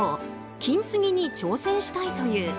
金継ぎに挑戦したいという。